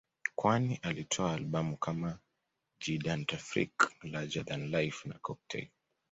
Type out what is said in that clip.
kwani alitoa Albamu kama Gigantafrique Larger than life na Cocktail